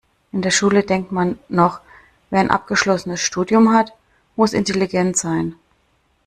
In der Schule denkt man noch, wer ein abgeschlossenes Studium hat, muss intelligent sein.